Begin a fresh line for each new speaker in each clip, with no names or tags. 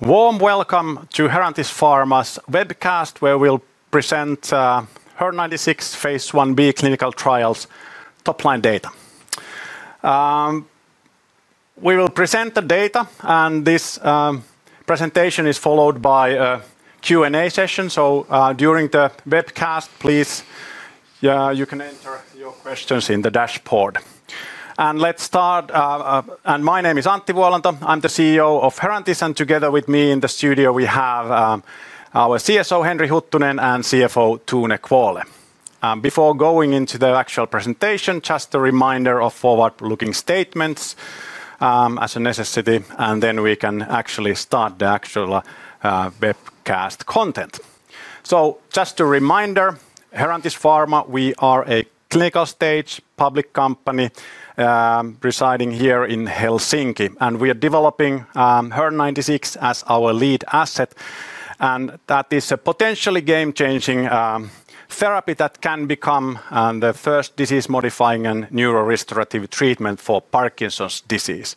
Warm welcome to Herantis Pharma's webcast where we'll present HER-096 phase I-B clinical trial's top-line data. We will present the data, and this presentation is followed by a Q&A session. During the webcast, please, you can enter your questions in the dashboard. Let's start. My name is Antti Vuolanto. I'm the CEO of Herantis, and together with me in the studio, we have our CSO, Henri Huttunen, and CFO, Tone Kvåle. Before going into the actual presentation, just a reminder of forward-looking statements as a necessity, and then we can actually start the actual webcast content. Just a reminder, Herantis Pharma, we are a clinical stage public company residing here in Helsinki, and we are developing HER-096 as our lead asset. That is a potentially game-changing therapy that can become the first disease-modifying and neurorestorative treatment for Parkinson's disease.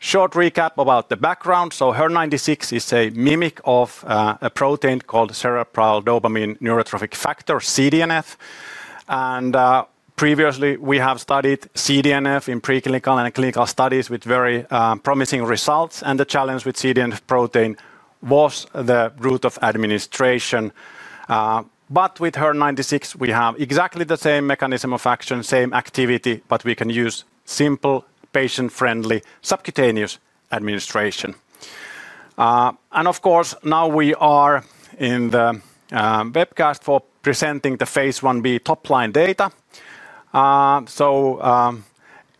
Short recap about the background. HER-096 is a mimic of a protein called Cerebral Dopamine Neurotrophic Factor, CDNF. Previously, we have studied CDNF in preclinical and clinical studies with very promising results, and the challenge with CDNF protein was the route of administration. With HER-096, we have exactly the same mechanism of action, same activity, but we can use simple, patient-friendly subcutaneous administration. Now we are in the webcast for presenting the phase I-B top-line data.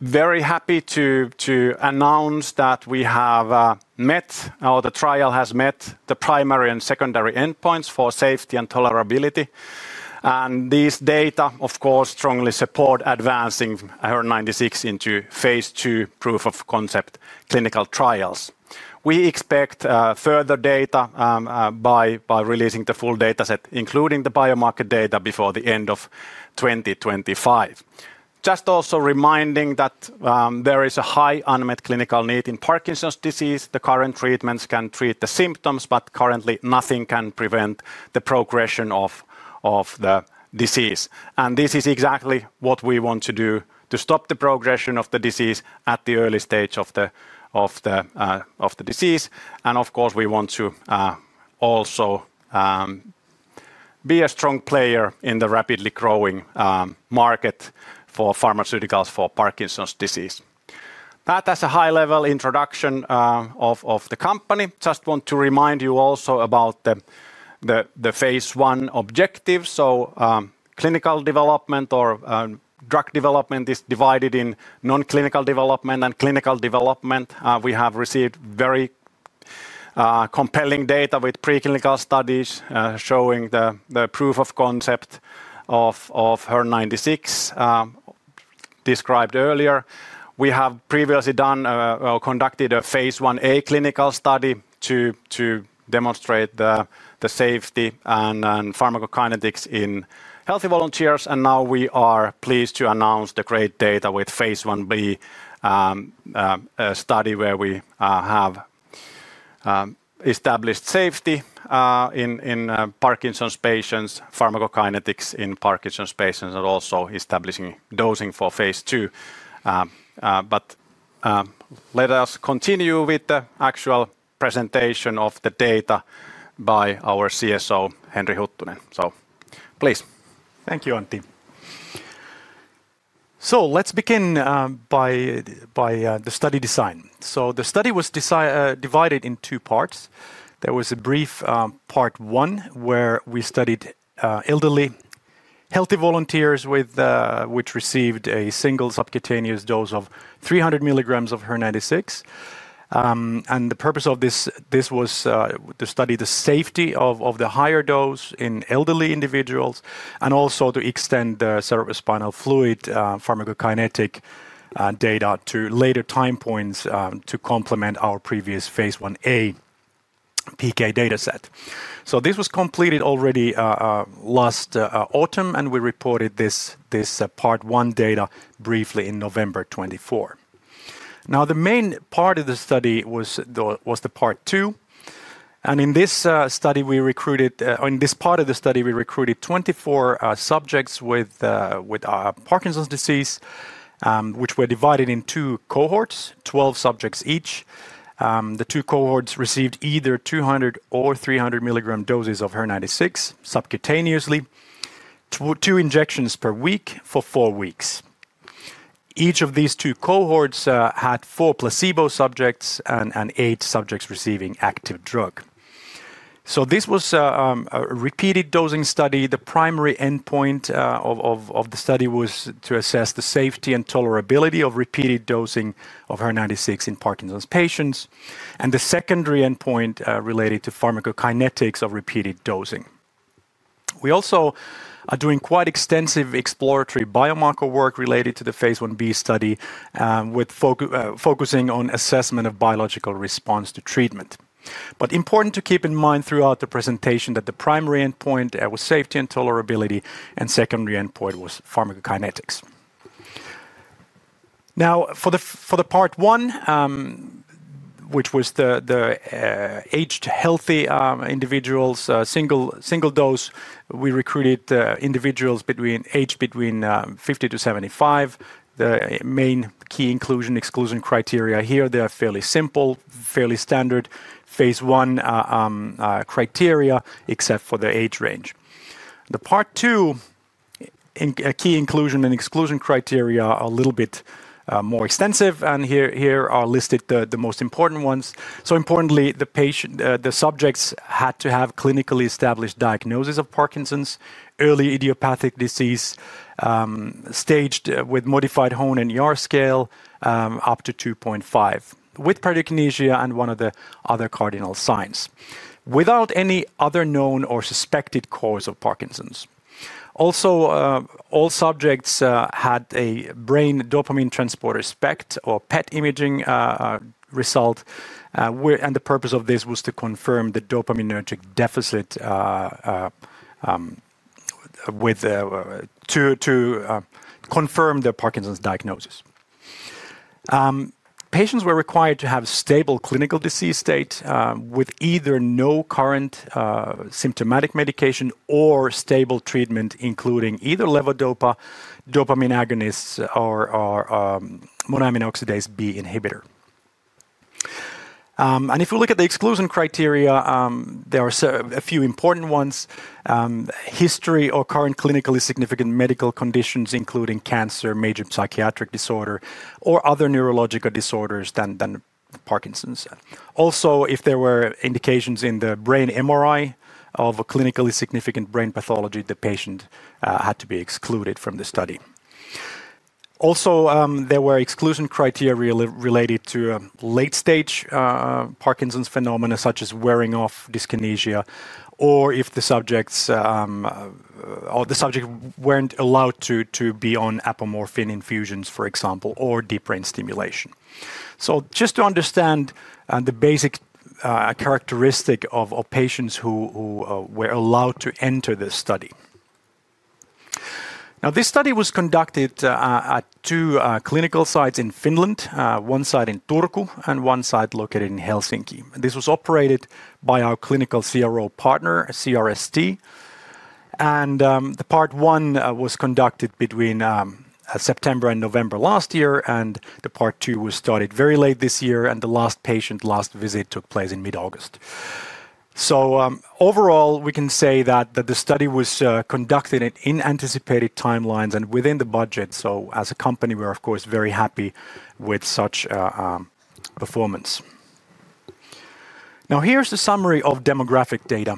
Very happy to announce that we have met, or the trial has met, the primary and secondary endpoints for safety and tolerability. These data, of course, strongly support advancing HER-096 into phase II proof-of-concept clinical trials. We expect further data by releasing the full dataset, including the biomarker data, before the end of 2025. Also reminding that there is a high unmet clinical need in Parkinson's disease. The current treatments can treat the symptoms, but currently nothing can prevent the progression of the disease. This is exactly what we want to do, to stop the progression of the disease at the early stage of the disease. We want to also be a strong player in the rapidly growing market for pharmaceuticals for Parkinson's disease. That is a high-level introduction of the company. Just want to remind you also about the phase I objectives. Clinical development or drug development is divided in non-clinical development and clinical development. We have received very compelling data with preclinical studies showing the proof of concept of HER-096 described earlier. We have previously conducted a phase I-A clinical study to demonstrate the safety and pharmacokinetics in healthy volunteers. Now we are pleased to announce the great data with phase I-B study where we have established safety in Parkinson's patients, pharmacokinetics in Parkinson's patients, and also establishing dosing for phase II. Let us continue with the actual presentation of the data by our CSO, Henri Huttunen. Please.
Thank you, Antti. Let's begin by the study design. The study was divided into two parts. There was a brief part one where we studied elderly, healthy volunteers who received a single subcutaneous dose of 300 mg of HER-096. The purpose of this was to study the safety of the higher dose in elderly individuals and also to extend the cerebrospinal fluid pharmacokinetic data to later time points to complement our phase I-A PK dataset. This was completed already last autumn, and we reported this part one data briefly in November 2024. The main part of the study was part two. In this part of the study, we recruited 24 subjects with Parkinson's disease, who were divided into two cohorts, 12 subjects each. The two cohorts received either 200 mg or 300 mg doses of HER-096 subcutaneously, two injections per week for four weeks. Each of these two cohorts had four placebo subjects and eight subjects receiving active drug. This was a repeated dosing study. The primary endpoint of the study was to assess the safety and tolerability of repeated dosing of HER-096 in Parkinson's patients, and the secondary endpoint related to pharmacokinetics of repeated dosing. We also are doing quite extensive exploratory biomarker work related to the phase I-B study, focusing on assessment of biological response to treatment. It is important to keep in mind throughout the presentation that the primary endpoint was safety and tolerability, and the secondary endpoint was pharmacokinetics. For part one, which was the aged healthy individuals, single dose, we recruited individuals aged between 50-75. The main key inclusion exclusion criteria here are fairly simple, fairly standard, phase I criteria, except for the age range. The part two key inclusion and exclusion criteria are a little bit more extensive, and here are listed the most important ones. Importantly, the subjects had to have clinically established diagnosis of Parkinson's, early idiopathic disease, staged with modified Hoehn and Yahr scale up to 2.5, with bradykinesia and one of the other cardinal signs, without any other known or suspected cause of Parkinson's. Also, all subjects had a brain dopamine transporter SPECT or PET imaging result, and the purpose of this was to confirm the dopaminergic deficit to confirm the Parkinson's diagnosis. Patients were required to have stable clinical disease state with either no current symptomatic medication or stable treatment, including either levodopa, dopamine agonists, or monoamine oxidase-B inhibitor. If we look at the exclusion criteria, there are a few important ones: history or current clinically significant medical conditions, including cancer, major psychiatric disorder, or other neurological disorders than Parkinson's. Also, if there were indications in the brain MRI of a clinically significant brain pathology, the patient had to be excluded from the study. There were exclusion criteria related to late-stage Parkinson's phenomena, such as wearing off, dyskinesia, or if the subjects weren't allowed to be on apomorphine infusions, for example, or deep brain stimulation. Just to understand the basic characteristic of patients who were allowed to enter this study. This study was conducted at two clinical sites in Finland, one site in Turku and one site located in Helsinki. This was operated by our clinical CRO partner, CRST. Part one was conducted between September and November last year, and part two was started very late this year, and the last patient last visit took place in mid-August. Overall, we can say that the study was conducted in anticipated timelines and within the budget. As a company, we're, of course, very happy with such performance. Here's the summary of demographic data,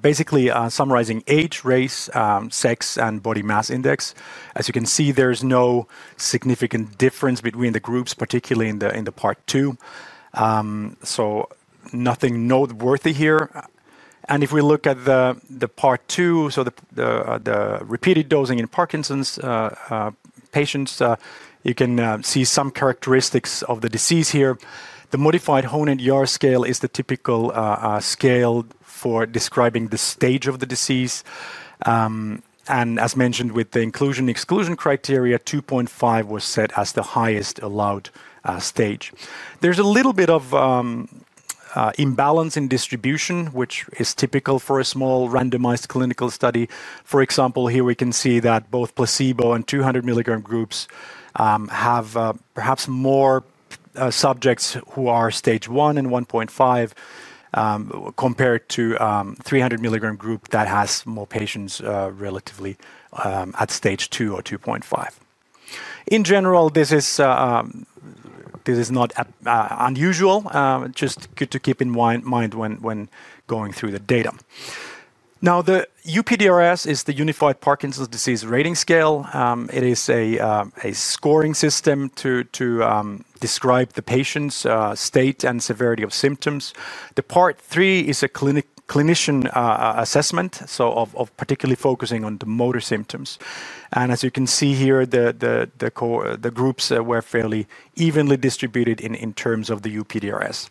basically summarizing age, race, sex, and body mass index. As you can see, there's no significant difference between the groups, particularly in part two. Nothing noteworthy here. If we look at part two, the repeated dosing in Parkinson's patients, you can see some characteristics of the disease here. The modified Hoehn and Yahr scale is the typical scale for describing the stage of the disease. As mentioned with the inclusion exclusion criteria, 2.5 was set as the highest allowed stage. There's a little bit of imbalance in distribution, which is typical for a small randomized clinical study. For example, here we can see that both placebo and 200 mg groups have perhaps more subjects who are stage 1 and 1.5 compared to a 300 mg group that has more patients relatively at stage 2 or 2.5. In general, this is not unusual, just to keep in mind when going through the data. The UPDRS is the Unified Parkinson's Disease Rating Scale. It is a scoring system to describe the patient's state and severity of symptoms. The part three is a clinician assessment, particularly focusing on the motor symptoms. As you can see here, the groups were fairly evenly distributed in terms of the UPDRS.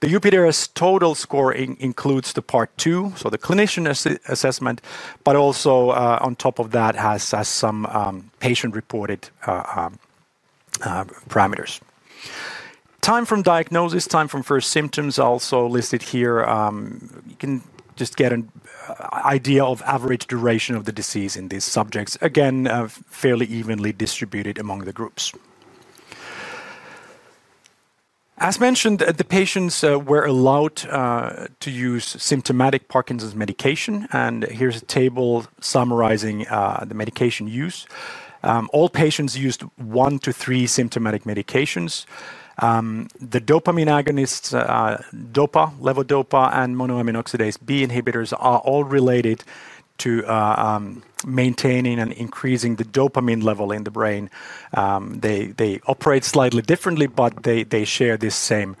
The UPDRS total score includes the part two, so the clinician assessment, but also on top of that has some patient-reported parameters. Time from diagnosis, time from first symptoms are also listed here. You can just get an idea of the average duration of the disease in these subjects, again, fairly evenly distributed among the groups. As mentioned, the patients were allowed to use symptomatic Parkinson's medication, and here's a table summarizing the medication use. All patients used one to three symptomatic medications. The dopamine agonists, DOPA, levodopa, and monoamine oxidase-B inhibitors are all related to maintaining and increasing the dopamine level in the brain. They operate slightly differently, but they share the same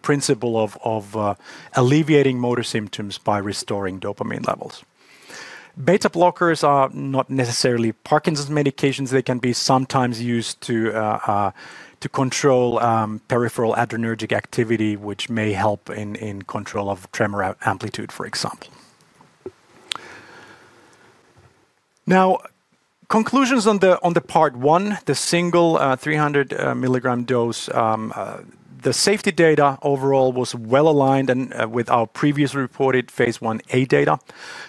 principle of alleviating motor symptoms by restoring dopamine levels. Beta blockers are not necessarily Parkinson's medications. They can be sometimes used to control peripheral adrenergic activity, which may help in control of tremor amplitude, for example. Now, conclusions on the part one, the single 300 mg dose. The safety data overall was well aligned with our previously phase I-A data.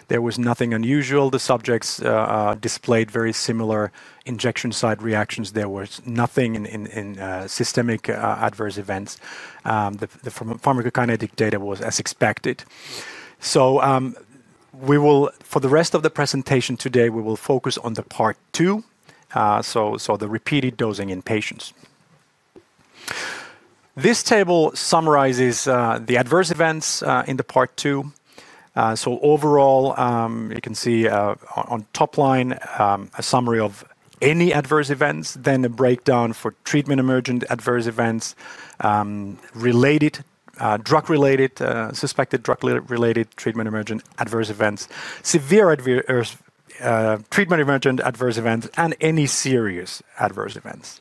There was nothing unusual. The subjects displayed very similar injection site reactions. There was nothing in systemic adverse events. The pharmacokinetic data was as expected. For the rest of the presentation today, we will focus on the part two, the repeated dosing in patients. This table summarizes the adverse events in the part two. Overall, you can see on top line a summary of any adverse events, then a breakdown for treatment emergent adverse events, related, drug-related, suspected drug-related treatment emergent adverse events, severe treatment emergent adverse events, and any serious adverse events.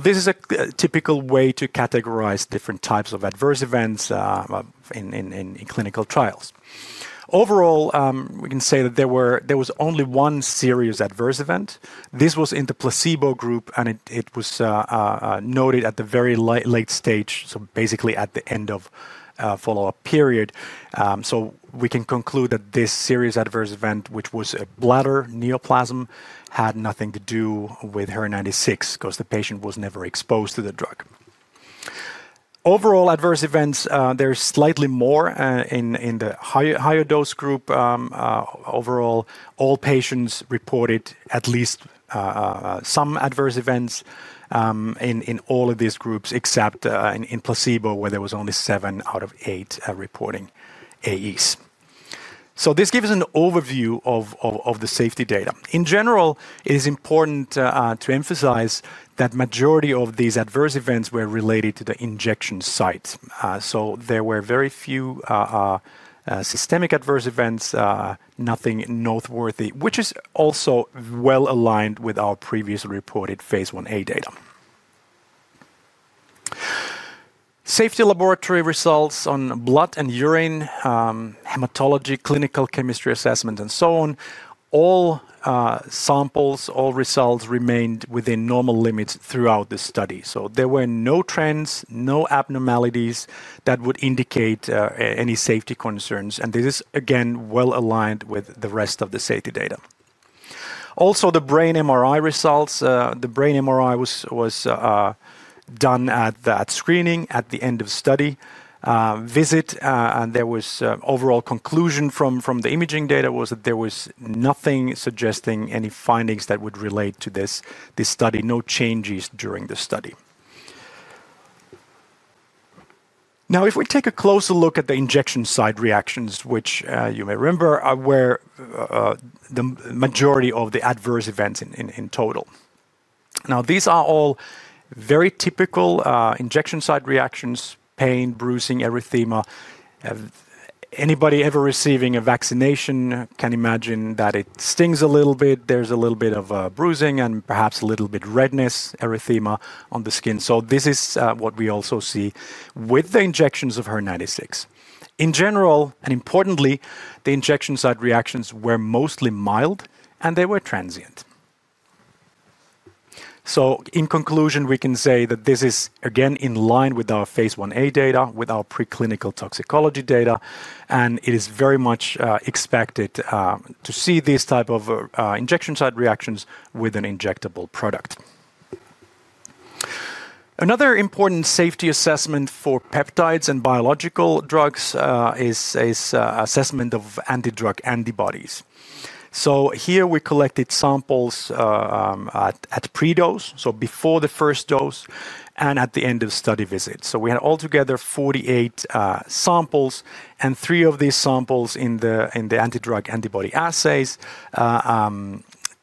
This is a typical way to categorize different types of adverse events in clinical trials. Overall, we can say that there was only one serious adverse event. This was in the placebo group, and it was noted at the very late stage, basically at the end of the follow-up period. We can conclude that this serious adverse event, which was a bladder neoplasm, had nothing to do with HER-096 because the patient was never exposed to the drug. Overall, adverse events, there's slightly more in the higher dose group. Overall, all patients reported at least some adverse events in all of these groups except in placebo where there was only seven out of eight reporting AEs. This gives an overview of the safety data. In general, it is important to emphasize that the majority of these adverse events were related to the injection site. There were very few systemic adverse events, nothing noteworthy, which is also well aligned with our previously phase I-A data. Safety laboratory results on blood and urine, hematology, clinical chemistry assessment, and so on, all samples, all results remained within normal limits throughout the study. There were no trends, no abnormalities that would indicate any safety concerns, and this is again well aligned with the rest of the safety data. Also, the brain MRI results, the brain MRI was done at screening at the end of study visit, and the overall conclusion from the imaging data was that there was nothing suggesting any findings that would relate to this study, no changes during the study. If we take a closer look at the injection site reactions, which you may remember were the majority of the adverse events in total, these are all very typical injection site reactions: pain, bruising, erythema. Anybody ever receiving a vaccination can imagine that it stings a little bit, there's a little bit of bruising and perhaps a little bit of redness, erythema on the skin. This is what we also see with the injections of HER-096. In general, and importantly, the injection site reactions were mostly mild and they were transient. In conclusion, we can say that this is again in line with phase I-A data, with our preclinical toxicology data, and it is very much expected to see these types of injection site reactions with an injectable product. Another important safety assessment for peptides and biological drugs is the assessment of antidrug antibodies. Here we collected samples at pre-dose, so before the first dose, and at the end of the study visit. We had altogether 48 samples, and three of these samples in the antidrug antibody assays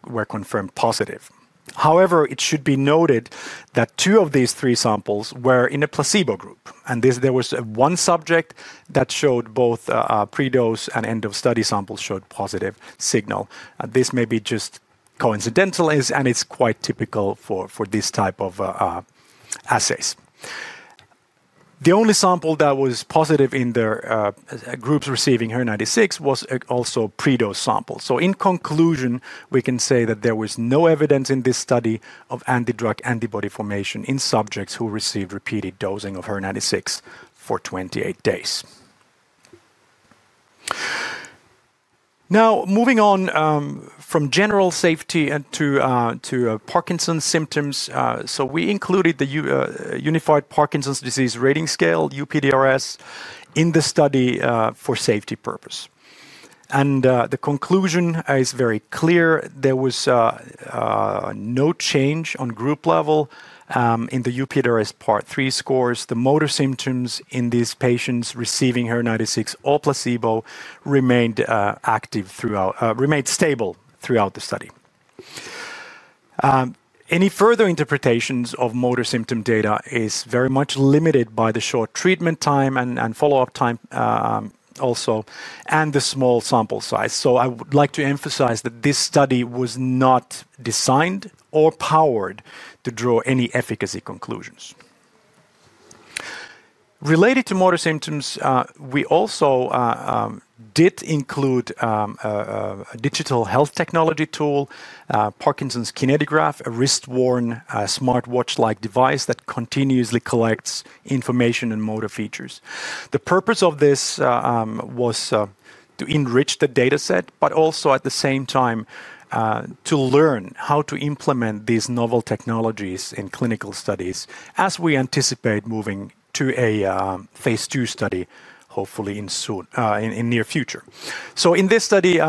were confirmed positive. However, it should be noted that two of these three samples were in a placebo group, and there was one subject that showed both pre-dose and end-of-study samples showed positive signal. This may be just coincidental, and it's quite typical for this type of assays. The only sample that was positive in the groups receiving HER-096 was also pre-dose samples. In conclusion, we can say that there was no evidence in this study of antidrug antibody formation in subjects who received repeated dosing of HER-096 for 28 days. Moving on from general safety to Parkinson's symptoms, we included the Unified Parkinson's Disease Rating Scale, UPDRS, in the study for safety purpose. The conclusion is very clear. There was no change on group level in the UPDRS part three scores. The motor symptoms in these patients receiving HER-096 or placebo remained stable throughout the study. Any further interpretations of motor symptom data are very much limited by the short treatment time and follow-up time also, and the small sample size. I would like to emphasize that this study was not designed or powered to draw any efficacy conclusions. Related to motor symptoms, we also did include a digital health technology tool, Parkinson's KinetiGraph, a wrist-worn smartwatch-like device that continuously collects information and motor features. The purpose of this was to enrich the dataset, but also at the same time to learn how to implement these novel technologies in clinical studies as we anticipate moving to a phase II study, hopefully in the near future. In this study,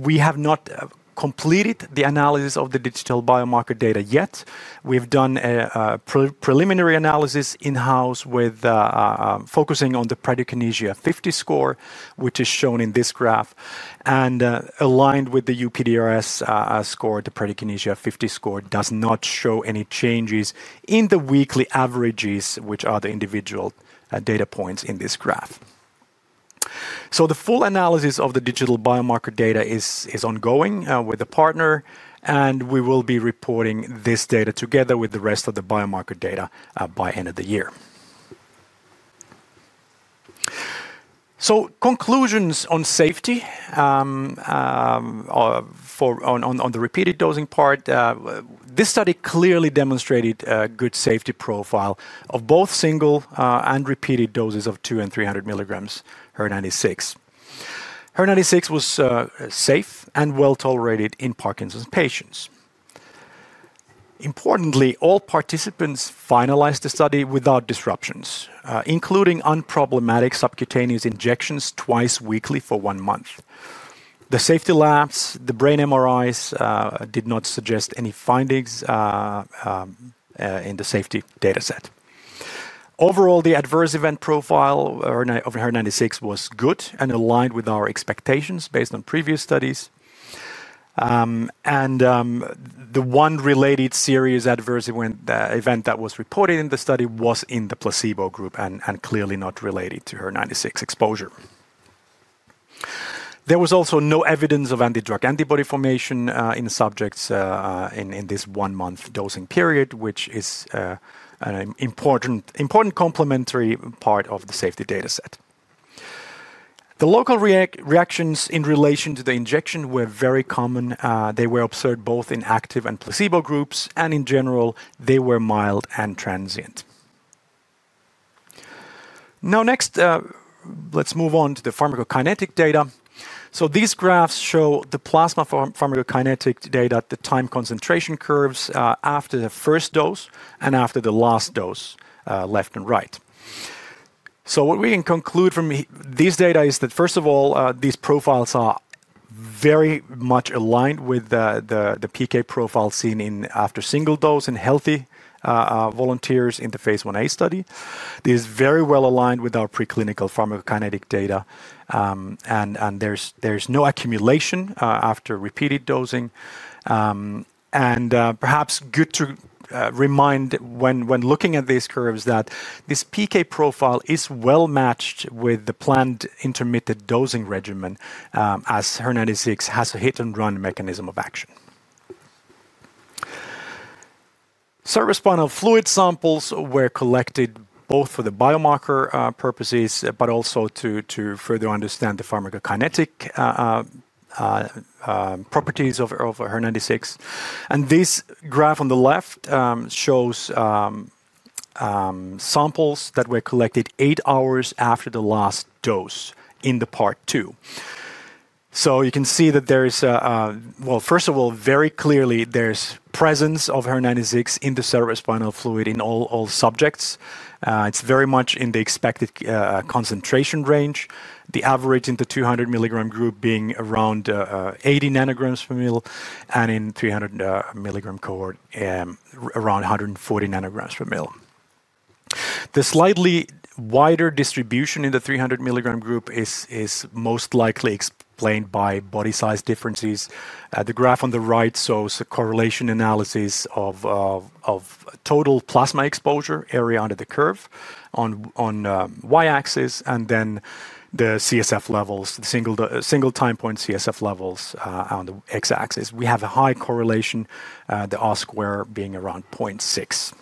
we have not completed the analysis of the digital biomarker data yet. We have done a preliminary analysis in-house with focusing on the bradykinesia 50 score, which is shown in this graph. Aligned with the UPDRS score, the bradykinesia 50 score does not show any changes in the weekly averages, which are the individual data points in this graph. The full analysis of the digital biomarker data is ongoing with a partner, and we will be reporting this data together with the rest of the biomarker data by the end of the year. Conclusions on safety on the repeated dosing part, this study clearly demonstrated a good safety profile of both single and repeated doses of 200 mg and 300 mgs HER-096. HER-096 was safe and well tolerated in Parkinson's patients. Importantly, all participants finalized the study without disruptions, including unproblematic subcutaneous injections twice weekly for one month. The safety labs, the brain MRIs did not suggest any findings in the safety dataset. Overall, the adverse event profile of HER-096 was good and aligned with our expectations based on previous studies. The one related serious adverse event that was reported in the study was in the placebo group and clearly not related to HER-096 exposure. There was also no evidence of antidrug antibody formation in subjects in this one-month dosing period, which is an important complementary part of the safety dataset. The local reactions in relation to the injection were very common. They were observed both in active and placebo groups, and in general, they were mild and transient. Next, let's move on to the pharmacokinetic data. These graphs show the plasma pharmacokinetic data, the time concentration curves after the first dose and after the last dose, left and right. What we can conclude from these data is that, first of all, these profiles are very much aligned with the PK profile seen after single dose in healthy volunteers in phase I-A study. This is very well aligned with our preclinical pharmacokinetic data, and there's no accumulation after repeated dosing. Perhaps good to remind when looking at these curves that this PK profile is well matched with the planned intermittent dosing regimen as HER-096 has a hit-and-run mechanism of action. Cerebrospinal fluid samples were collected both for the biomarker purposes, but also to further understand the pharmacokinetic properties of HER-096. This graph on the left shows samples that were collected eight hours after the last dose in the part two. You can see that there is, first of all, very clearly there's presence of HER-096 in the cerebrospinal fluid in all subjects. It's very much in the expected concentration range, the average in the 200 mg group being around 80 ng/mL, and in the 300 mg cohort around 140 ng/mL. The slightly wider distribution in the 300 mg group is most likely explained by body size differences. The graph on the right shows a correlation analysis of total plasma exposure, area under the curve on the Y-axis, and then the CSF levels, the single time point CSF levels on the X-axis. We have a high correlation, the R-square being around 0.6.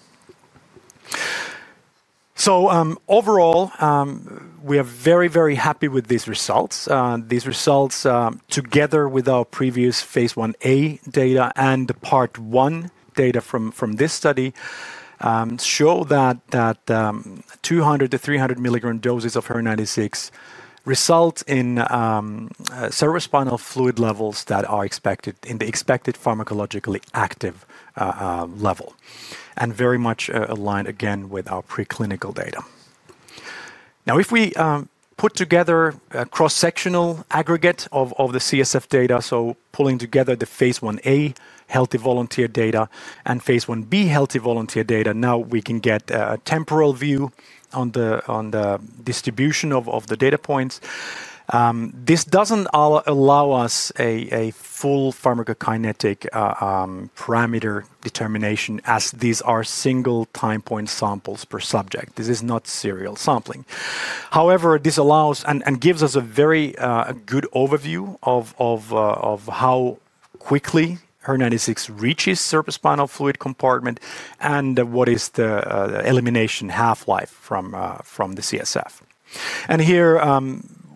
Overall, we are very, very happy with these results. These results, together with our phase I-A data and the part one data from this study, show that 200 mg-300 mg doses of HER-096 result in cerebrospinal fluid levels that are expected in the expected pharmacologically active level, and very much aligned again with our preclinical data. Now, if we put together a cross-sectional aggregate of the CSF data, so pulling together phase I-A healthy volunteer data and phase I-B healthy volunteer data, we can get a temporal view on the distribution of the data points. This doesn't allow us a full pharmacokinetic parameter determination as these are single time point samples per subject. This is not serial sampling. However, this allows and gives us a very good overview of how quickly HER-096 reaches cerebrospinal fluid compartment and what is the elimination half-life from the CSF. Here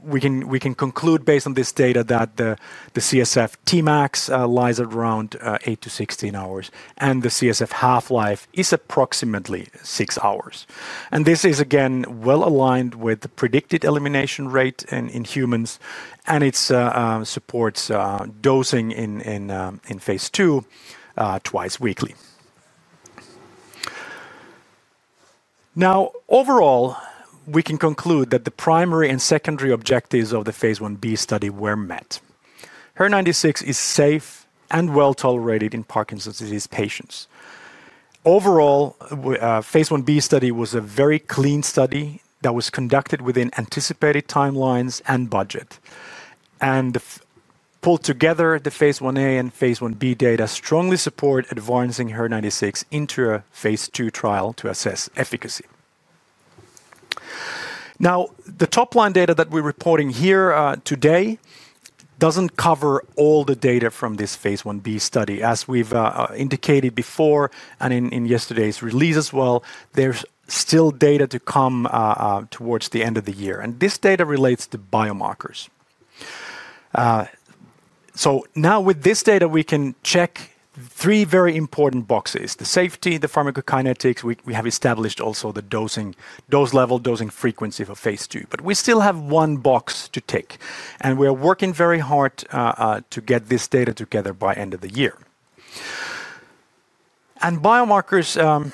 we can conclude based on this data that the CSF Tmax lies around 8 to 16 hours, and the CSF half-life is approximately six hours. This is again well aligned with the predicted elimination rate in humans, and it supports dosing in phase II twice weekly. Overall, we can conclude that the primary and secondary objectives of the phase I-B study were met. HER-096 is safe and well tolerated in Parkinson's disease patients. Overall, the phase I-B study was a very clean study that was conducted within anticipated timelines and budget. Pulled together, phase I-A and phase I-B data strongly support advancing HER-096 into a phase II trial to assess efficacy. The top-line data that we're reporting here today doesn't cover all the data from this phase I-B study. As we've indicated before and in yesterday's release as well, there's still data to come towards the end of the year, and this data relates to biomarkers. With this data, we can check three very important boxes: the safety, the pharmacokinetics. We have established also the dosing level, dosing frequency for phase II, but we still have one box to tick, and we are working very hard to get this data together by the end of the year. Biomarkers can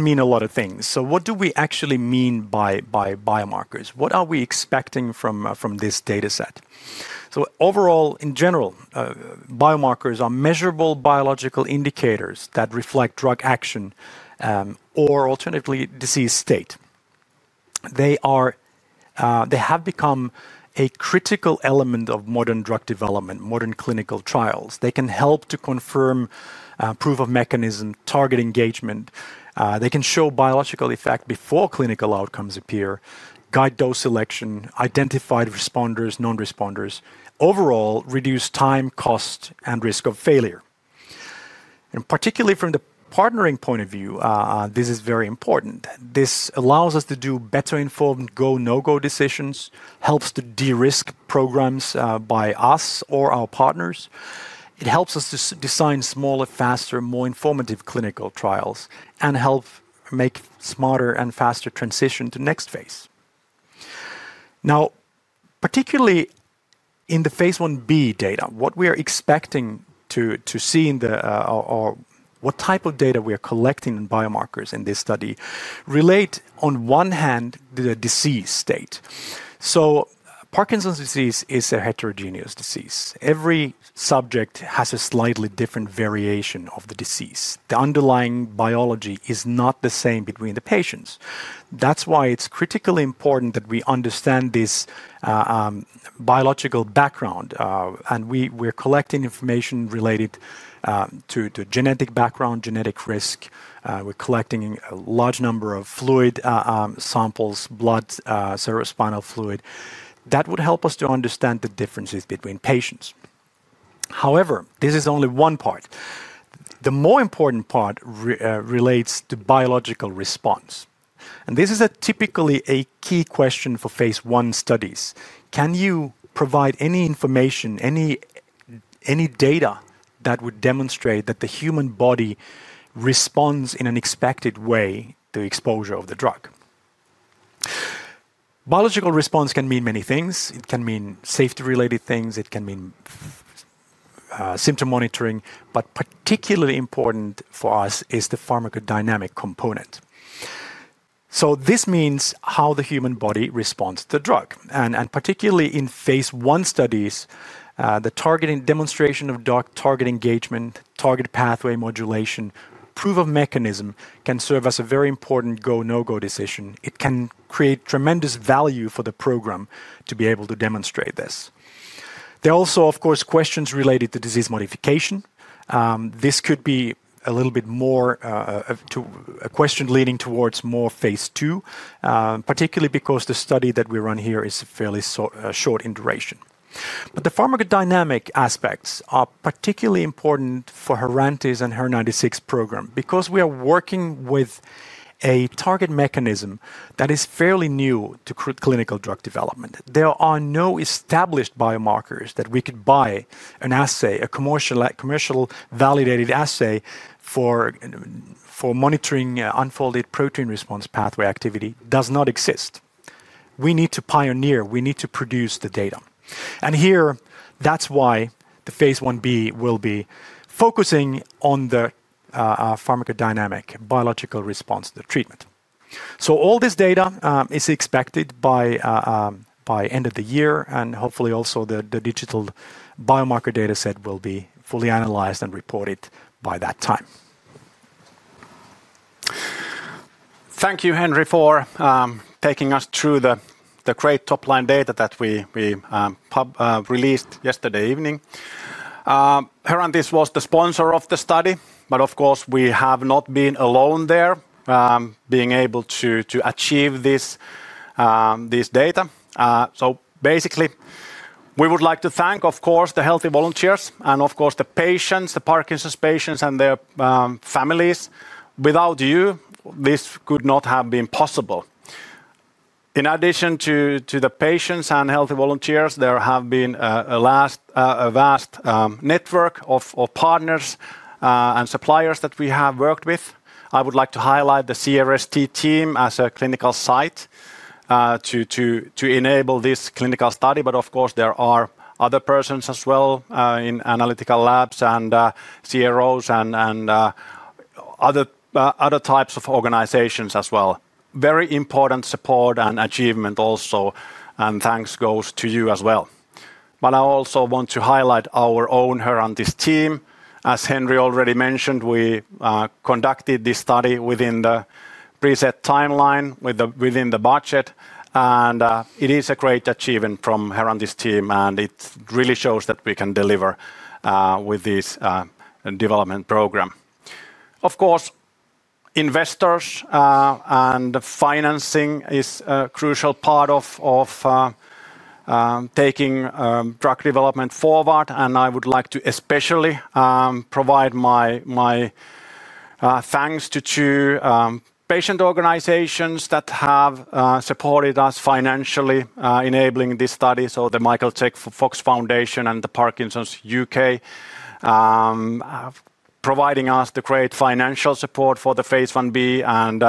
mean a lot of things. What do we actually mean by biomarkers? What are we expecting from this dataset? Overall, in general, biomarkers are measurable biological indicators that reflect drug action or alternatively disease state. They have become a critical element of modern drug development, modern clinical trials. They can help to confirm proof of mechanism, target engagement. They can show biological effect before clinical outcomes appear, guide dose selection, identify responders, non-responders, overall reduce time, cost, and risk of failure. Particularly from the partnering point of view, this is very important. This allows us to do better informed go/no-go decisions, helps to de-risk programs by us or our partners. It helps us to design smaller, faster, more informative clinical trials and helps make smarter and faster transition to the next phase. Now, particularly in the phase I-B data, what we are expecting to see or what type of data we are collecting in biomarkers in this study relates, on one hand, to the disease state. Parkinson's disease is a heterogeneous disease. Every subject has a slightly different variation of the disease. The underlying biology is not the same between the patients. That's why it's critically important that we understand this biological background, and we're collecting information related to genetic background, genetic risk. We're collecting a large number of fluid samples, blood, cerebrospinal fluid that would help us to understand the differences between patients. However, this is only one part. The more important part relates to biological response, and this is typically a key question for phase I studies. Can you provide any information, any data that would demonstrate that the human body responds in an expected way to the exposure of the drug? Biological response can mean many things. It can mean safety-related things. It can mean symptom monitoring, but particularly important for us is the pharmacodynamic component. This means how the human body responds to the drug, and particularly in phase I studies, the targeting demonstration of drug target engagement, target pathway modulation, proof of mechanism can serve as a very important go/no-go decision. It can create tremendous value for the program to be able to demonstrate this. There are also, of course, questions related to disease modification. This could be a little bit more to a question leading towards more phase II, particularly because the study that we run here is fairly short in duration. The pharmacodynamic aspects are particularly important for Herantis and HER-096 program because we are working with a target mechanism that is fairly new to clinical drug development. There are no established biomarkers that we could buy an assay, a commercial validated assay for monitoring unfolded protein response pathway activity does not exist. We need to pioneer. We need to produce the data. That's why the phase I-B will be focusing on the pharmacodynamic biological response to the treatment. All this data is expected by the end of the year, and hopefully also the digital biomarker dataset will be fully analyzed and reported by that time.
Thank you, Henri, for taking us through the great top-line data that we released yesterday evening. Herantis was the sponsor of the study, but of course, we have not been alone there being able to achieve this data. We would like to thank, of course, the healthy volunteers and, of course, the patients, the Parkinson's patients and their families. Without you, this could not have been possible. In addition to the patients and healthy volunteers, there has been a vast network of partners and suppliers that we have worked with. I would like to highlight the CRST team as a clinical site to enable this clinical study, but of course, there are other persons as well in analytical labs and CROs and other types of organizations as well. Very important support and achievement also, and thanks goes to you as well. I also want to highlight our own Herantis team. As Henri already mentioned, we conducted this study within the preset timeline, within the budget, and it is a great achievement from the Herantis team, and it really shows that we can deliver with this development program. Of course, investors and financing is a crucial part of taking drug development forward, and I would like to especially provide my thanks to two patient organizations that have supported us financially, enabling this study, the Michael J. Fox Foundation and Parkinson's UK, providing us the great financial support for the phase I-B and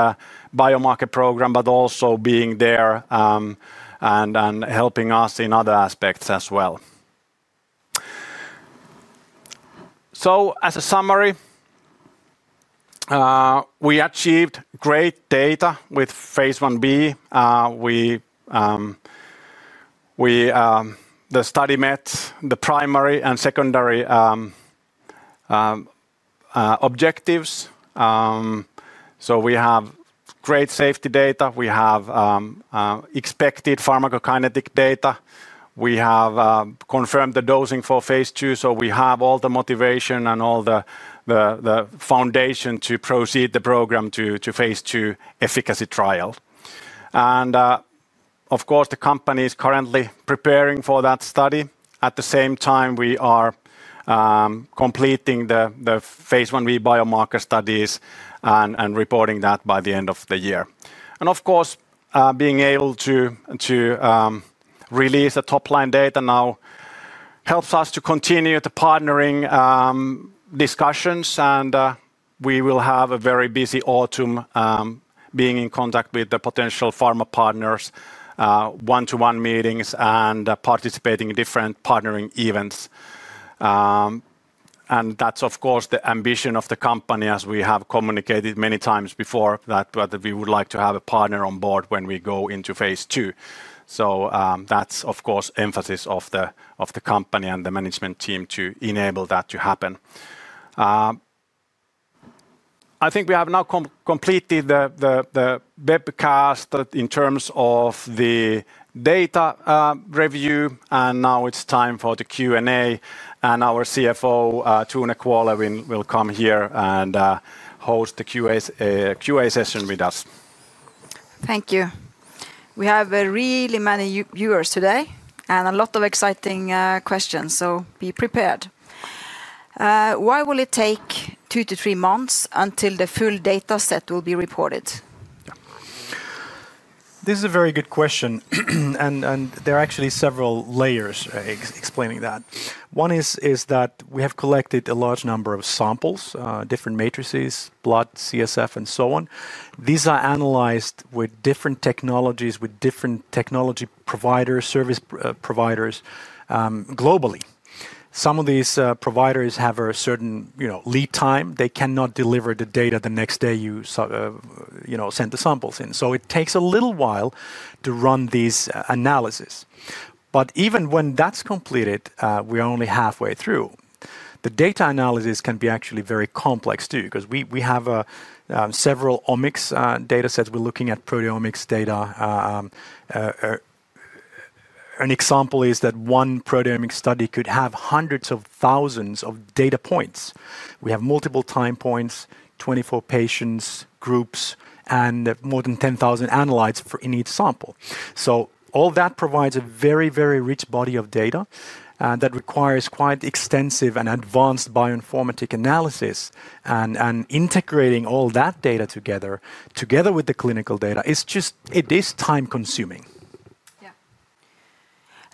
biomarker program, but also being there and helping us in other aspects as well. As a summary, we achieved great data with phase I-B. The study met the primary and secondary objectives. We have great safety data. We have expected pharmacokinetic data. We have confirmed the dosing for phase II, so we have all the motivation and all the foundation to proceed the program to phase II efficacy trial. The company is currently preparing for that study. At the same time, we are completing the phase I-B biomarker studies and reporting that by the end of the year. Being able to release the top-line data now helps us to continue the partnering discussions, and we will have a very busy autumn being in contact with the potential pharma partners, one-to-one meetings, and participating in different partnering events. That is the ambition of the company, as we have communicated many times before, that we would like to have a partner on board when we go into phase II. That is the emphasis of the company and the management team to enable that to happen. I think we have now completed the webcast in terms of the data review, and now it's time for the Q&A, and our CFO, Tone Kvåle, will come here and host the Q&A session with us.
Thank you. We have really many viewers today and a lot of exciting questions, so be prepared. Why will it take two to three months until the full dataset will be reported?
This is a very good question, and there are actually several layers explaining that. One is that we have collected a large number of samples, different matrices, blood, CSF, and so on. These are analyzed with different technologies, with different technology providers, service providers globally. Some of these providers have a certain lead time. They cannot deliver the data the next day you send the samples in, so it takes a little while to run these analyses. Even when that's completed, we are only halfway through. The data analysis can be actually very complex too because we have several omics datasets. We're looking at proteomics data. An example is that one proteomics study could have hundreds of thousands of data points. We have multiple time points, 24 patients, groups, and more than 10,000 analytes in each sample. All that provides a very, very rich body of data that requires quite extensive and advanced bioinformatic analysis, and integrating all that data together, together with the clinical data, is just, it is time-consuming.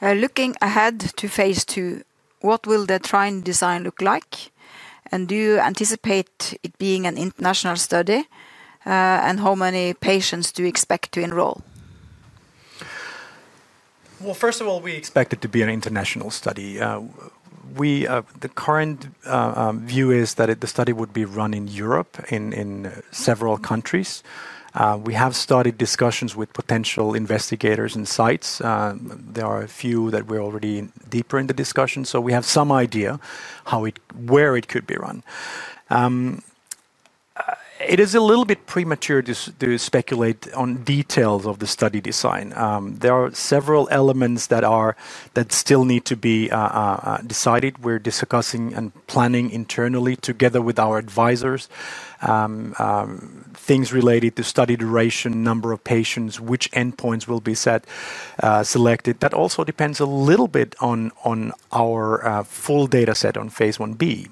Looking ahead to phase II, what will the trial design look like, and do you anticipate it being an international study, and how many patients do you expect to enroll?
First of all, we expect it to be an international study. The current view is that the study would be run in Europe, in several countries. We have started discussions with potential investigators and sites. There are a few that we're already deeper in the discussion, so we have some idea where it could be run. It is a little bit premature to speculate on details of the study design. There are several elements that still need to be decided. We're discussing and planning internally together with our advisors things related to study duration, number of patients, which endpoints will be selected. That also depends a little bit on our full dataset on phase I-B.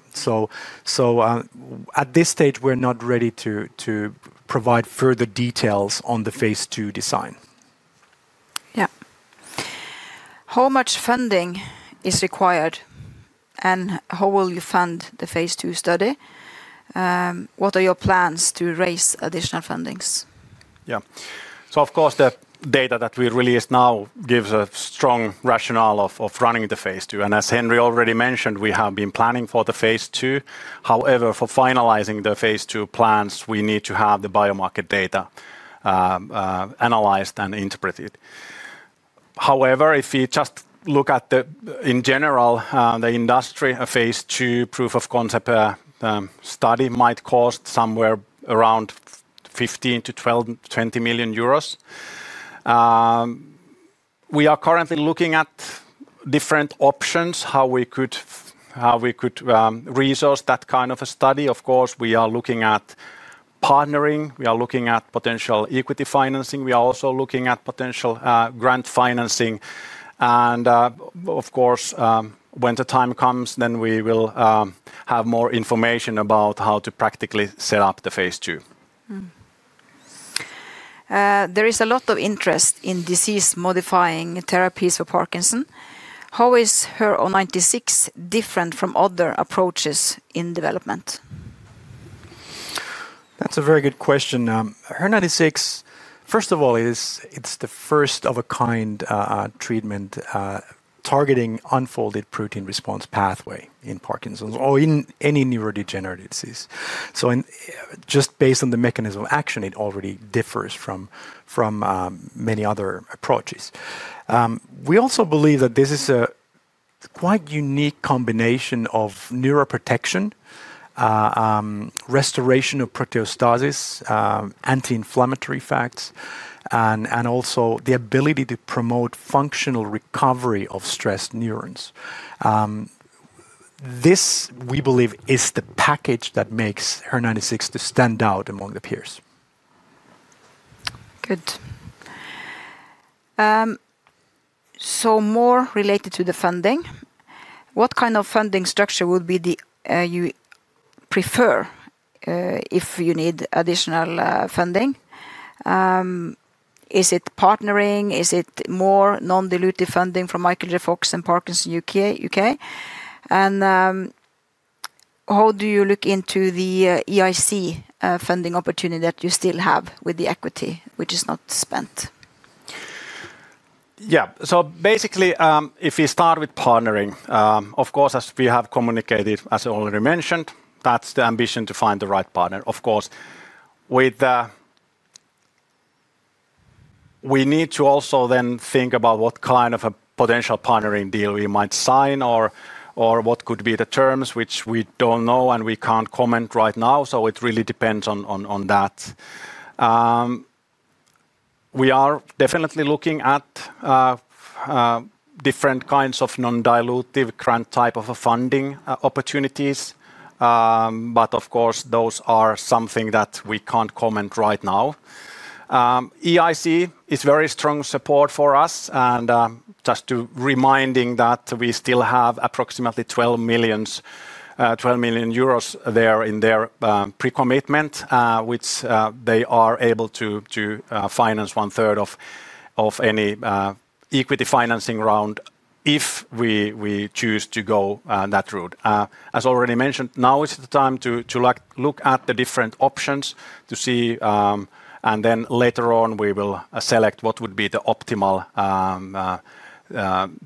At this stage, we're not ready to provide further details on the phase II design.
How much funding is required, and how will you fund the phase II study? What are your plans to raise additional funding?
Of course, the data that we released now gives a strong rationale of running the phase II, and as Henri already mentioned, we have been planning for the phase II. However, for finalizing the phase II plans, we need to have the biomarker data analyzed and interpreted. If you just look at, in general, the industry, a phase II proof-of-concept study might cost somewhere around 15 million-20 million euros. We are currently looking at different options, how we could resource that kind of a study. Of course, we are looking at partnering. We are looking at potential equity financing. We are also looking at potential grant financing, and of course, when the time comes, then we will have more information about how to practically set up the phase II.
There is a lot of interest in disease-modifying therapies for Parkinson's. How is HER-096 different from other approaches in development?
That's a very good question. HER-096, first of all, it's the first of a kind treatment targeting unfolded protein response pathway in Parkinson's or in any neurodegenerative disease. Just based on the mechanism of action, it already differs from many other approaches. We also believe that this is a quite unique combination of neuroprotection, restoration of proteostasis, anti-inflammatory effects, and also the ability to promote functional recovery of stress neurons. This, we believe, is the package that makes HER-096 to stand out among the peers.
Good. More related to the funding, what kind of funding structure would you prefer if you need additional funding? Is it partnering? Is it more non-dilutive funding from Michael J. Fox and Parkinson's UK? How do you look into the EIC funding opportunity that you still have with the equity which is not spent?
Yeah. Basically, if we start with partnering, of course, as we have communicated, as I already mentioned, that's the ambition to find the right partner. Of course, we need to also then think about what kind of a potential partnering deal we might sign or what could be the terms, which we don't know and we can't comment right now. It really depends on that. We are definitely looking at different kinds of non-dilutive grant type of funding opportunities, but of course, those are something that we can't comment right now. The EIC is very strong support for us, and just to remind that we still have approximately 12 million euros there in their pre-commitment, which they are able to finance 1/3 of any equity financing round if we choose to go that route. As already mentioned, now is the time to look at the different options to see, and then later on, we will select what would be the optimal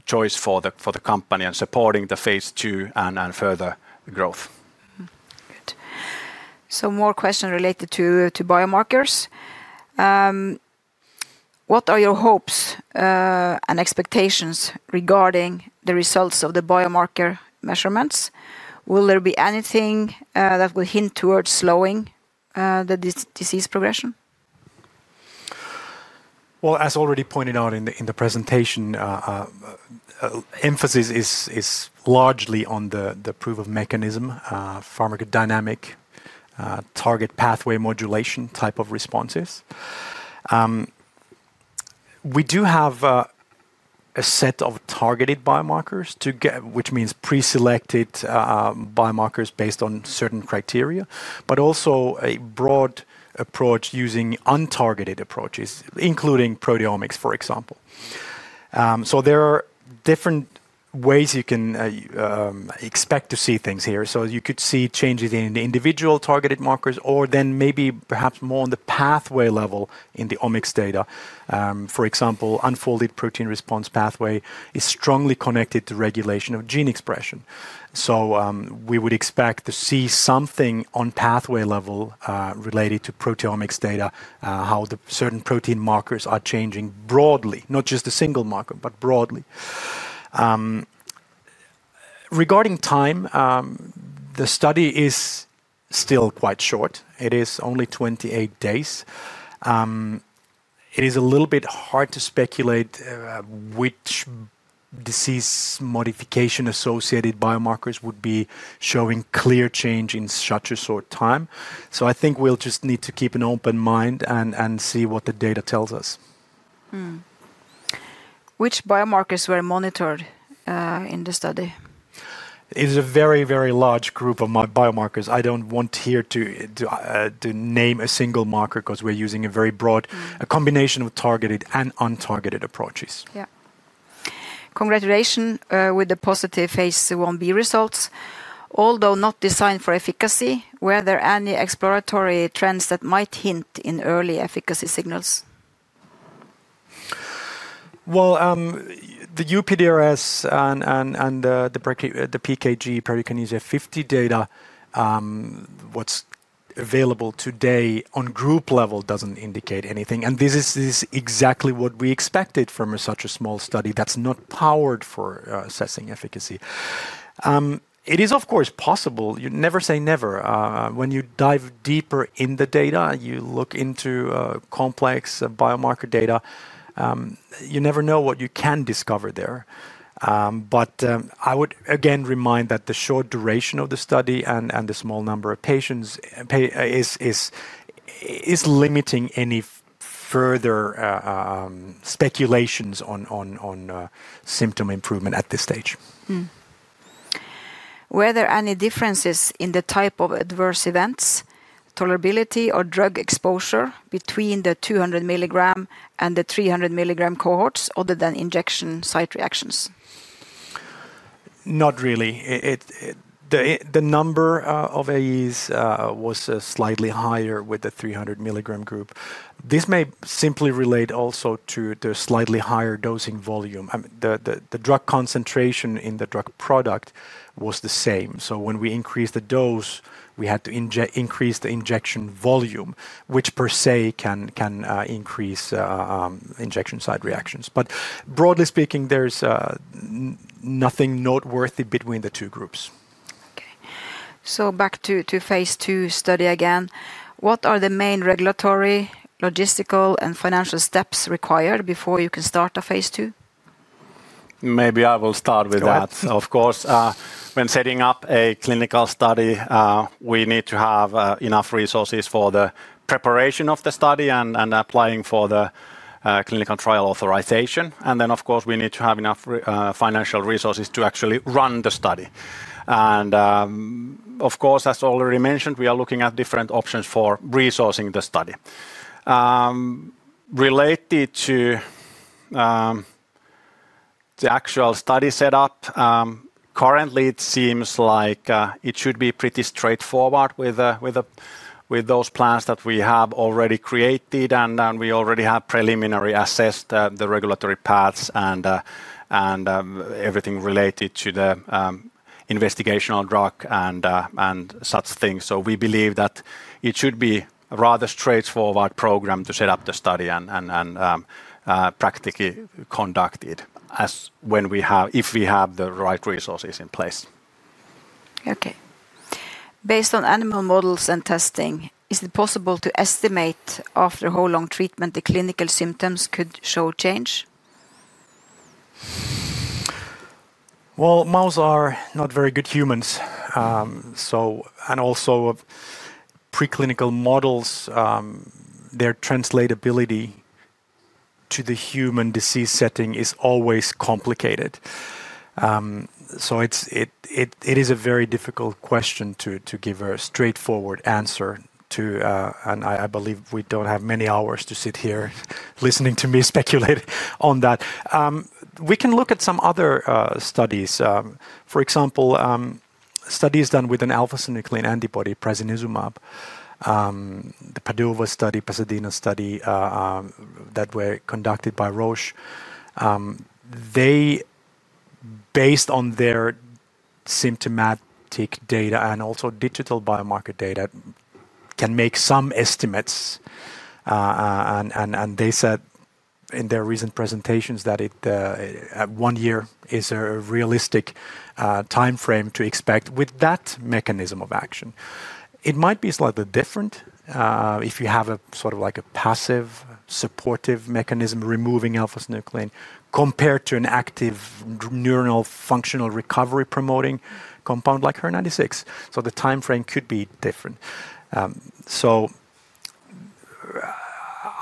choice for the company and supporting the phase II and further growth.
Good. More question related to biomarkers. What are your hopes and expectations regarding the results of the biomarker measurements? Will there be anything that will hint towards slowing the disease progression?
As already pointed out in the presentation, emphasis is largely on the proof of mechanism, pharmacodynamic target pathway modulation type of responses. We do have a set of targeted biomarkers, which means pre-selected biomarkers based on certain criteria, but also a broad approach using untargeted approaches, including proteomics, for example. There are different ways you can expect to see things here. You could see changes in individual targeted markers or then maybe perhaps more on the pathway level in the omics data. For example, unfolded protein response pathway is strongly connected to regulation of gene expression. We would expect to see something on pathway level related to proteomics data, how certain protein markers are changing broadly, not just a single marker, but broadly. Regarding time, the study is still quite short. It is only 28 days. It is a little bit hard to speculate which disease modification-associated biomarkers would be showing clear change in such a short time. I think we'll just need to keep an open mind and see what the data tells us.
Which biomarkers were monitored in the study?
It is a very, very large group of biomarkers. I don't want here to name a single marker because we're using a very broad combination of targeted and untargeted approaches.
Congratulations with the positive phase I-B results. Although not designed for efficacy, were there any exploratory trends that might hint in early efficacy signals?
The UPDRS and the PKG bradykinesia 50 data what's available today on group level doesn't indicate anything, and this is exactly what we expected from such a small study that's not powered for assessing efficacy. It is, of course, possible. You never say never. When you dive deeper in the data, you look into complex biomarker data, you never know what you can discover there. I would again remind that the short duration of the study and the small number of patients is limiting any further speculations on symptom improvement at this stage.
Were there any differences in the type of adverse events, tolerability, or drug exposure between the 200 mg and the 300 mg cohorts other than injection site reactions?
Not really. The number of AEs was slightly higher with the 300 mg group. This may simply relate also to the slightly higher dosing volume. The drug concentration in the drug product was the same. When we increased the dose, we had to increase the injection volume, which per se can increase injection site reactions. Broadly speaking, there's nothing noteworthy between the two groups.
Back to phase II study again, what are the main regulatory, logistical, and financial steps required before you can start a phase II?
Maybe I will start with that. Of course, when setting up a clinical study, we need to have enough resources for the preparation of the study and applying for the clinical trial authorization. We need to have enough financial resources to actually run the study. As already mentioned, we are looking at different options for resourcing the study. Related to the actual study setup, currently, it seems like it should be pretty straightforward with those plans that we have already created, and we already have preliminarily assessed the regulatory paths and everything related to the investigational drug and such things. We believe that it should be a rather straightforward program to set up the study and practically conduct it if we have the right resources in place.
Okay. Based on animal models and testing, is it possible to estimate after how long treatment the clinical symptoms could show change?
Mouse are not very good humans. Also, preclinical models, their translatability to the human disease setting is always complicated. It is a very difficult question to give a straightforward answer to, and I believe we don't have many hours to sit here listening to me speculate on that. We can look at some other studies. For example, studies done with an alpha-synuclein antibody, prasinezumab, the PADOVA study, PASADENA study that were conducted by Roche. They, based on their symptomatic data and also digital biomarker data, can make some estimates, and they said in their recent presentations that one year is a realistic timeframe to expect with that mechanism of action. It might be slightly different if you have a sort of like a passive supportive mechanism removing alpha-synuclein compared to an active neuronal functional recovery promoting compound like HER-096. The timeframe could be different.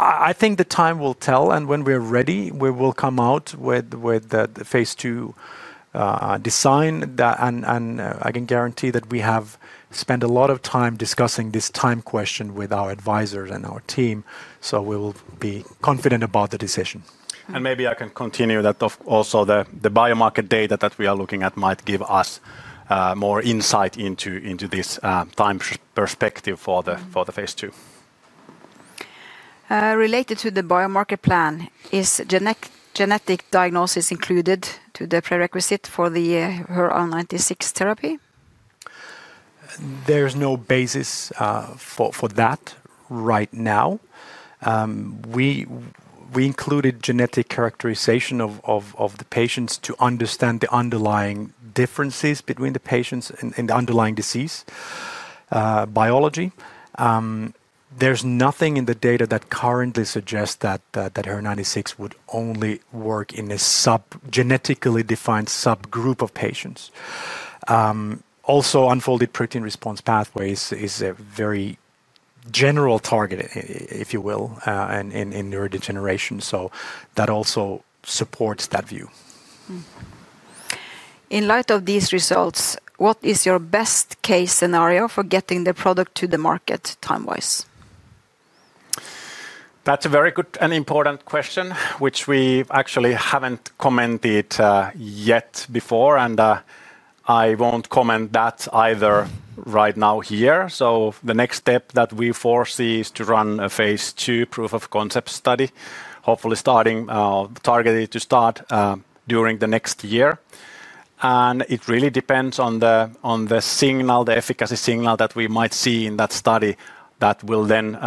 I think the time will tell, and when we're ready, we will come out with the phase II design, and I can guarantee that we have spent a lot of time discussing this time question with our advisors and our team, so we will be confident about the decision.
I can continue that also the biomarker data that we are looking at might give us more insight into this time perspective for the phase II.
Related to the biomarker plan, is genetic diagnosis included to the prerequisite for the HER-096 therapy?
There's no basis for that right now. We included genetic characterization of the patients to understand the underlying differences between the patients and the underlying disease biology. There's nothing in the data that currently suggests that HER-096 would only work in a sub genetically defined subgroup of patients. Also, unfolded protein response pathway is a very general target, if you will, in neurodegeneration, so that also supports that view.
In light of these results, what is your best case scenario for getting the product to the market time-wise?
That's a very good and important question, which we actually haven't commented yet before, and I won't comment that either right now here. The next step that we foresee is to run a phase II proof-of-concept study, hopefully targeted to start during the next year. It really depends on the signal, the efficacy signal that we might see in that study that will then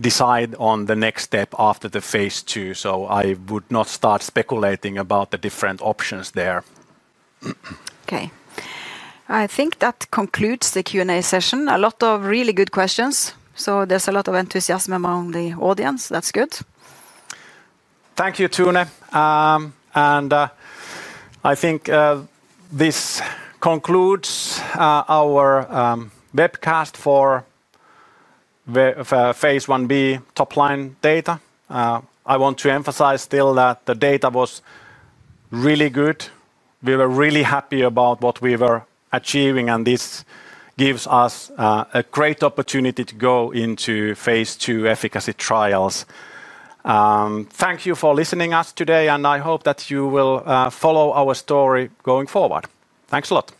decide on the next step after the phase II. I would not start speculating about the different options there.
Okay. I think that concludes the Q&A session. A lot of really good questions, so there's a lot of enthusiasm among the audience. That's good.
Thank you, Tone. I think this concludes our webcast for phase I-B top-line data. I want to emphasize still that the data was really good. We were really happy about what we were achieving, and this gives us a great opportunity to go into phase II efficacy trials. Thank you for listening to us today, and I hope that you will follow our story going forward. Thanks a lot.